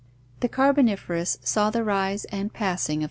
—The Carboniferous saw the rise and passing of this Fro.